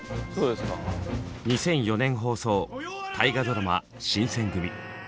２００４年放送大河ドラマ「新選組！」。